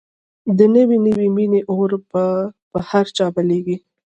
د نوې نوې مینې اور به په هر چا بلېږي